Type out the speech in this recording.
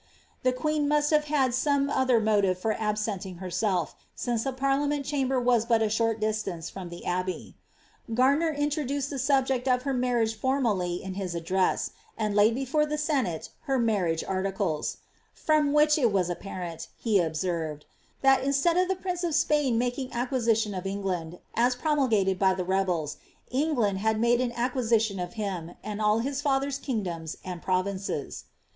' The queen ive had some other motive for absenting herself, since the parlia lamber was but a short distance from the Abbey. Gardiner intro he subject of her marriage formally in his address, and laid before ate her marriage articles ;^^ from which it was apparent," he ob ^ that instead of the prince of Spain making acquisition of Eng I promulgated by the rebels, England had made an acquisition of id all his father's kingdoms and provinces."